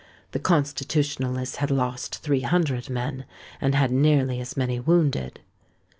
The Constitutionalists had lost three hundred men, and had nearly as many wounded.